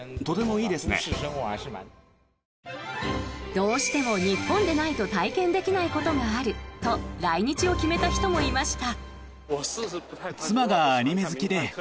どうしても日本でないと体験できないことがあると来日を決めた人もいました。